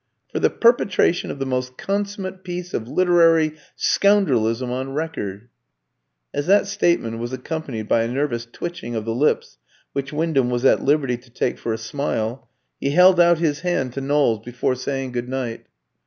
"For the perpetration of the most consummate piece of literary scoundrelism on record." As that statement was accompanied by a nervous twitching of the lips which Wyndham was at liberty to take for a smile, he held out his hand to Knowles before saying good night.